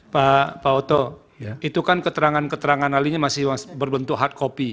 pak oto itu kan keterangan keterangan ahlinya masih berbentuk hard copy